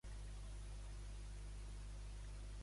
Què va fer Amfíloc davant aquesta conjuntura?